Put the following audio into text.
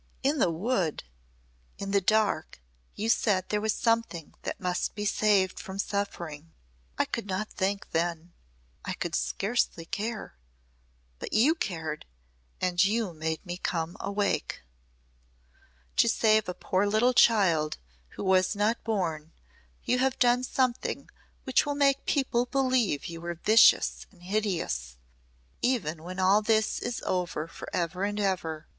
"In the Wood in the dark you said there was something that must be saved from suffering. I could not think then I could scarcely care. But you cared, and you made me come awake. To save a poor little child who was not born, you have done something which will make people believe you were vicious and hideous even when all this is over forever and ever.